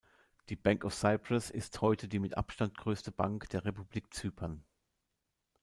Die Bank of Cyprus ist heute die mit Abstand größte Bank der Republik Zypern.